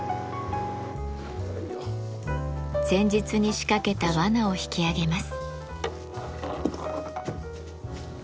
前日に仕掛けた罠を引き揚げます。